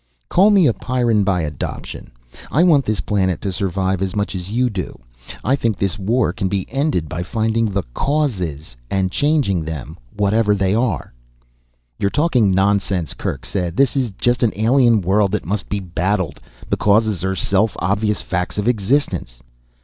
"Call me a Pyrran by adoption. I want this planet to survive as much as you do. I think this war can be ended by finding the causes and changing them, whatever they are." "You're talking nonsense," Kerk said. "This is just an alien world that must be battled. The causes are self obvious facts of existence."